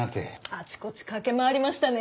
あちこち駆け回りましたね。